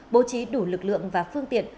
bố trí đủ lực lượng và phương tiện